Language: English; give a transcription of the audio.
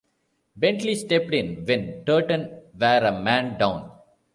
Bentley stepped in when Turton were a man down.